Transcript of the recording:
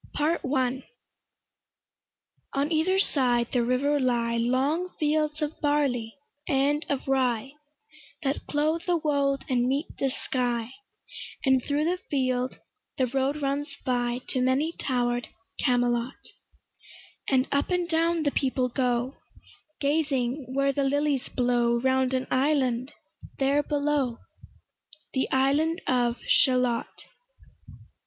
PART I On either side the river lie Long fields of barley and of rye, That clothe the wold and meet the sky; And thro' the field the road runs by To many tower'd Camelot; And up and down the people go, Gazing where the lilies blow Round an island there below, The island of Shalott.